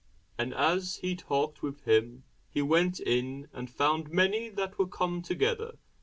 And as he talked with him, he went in, and found many that were come together.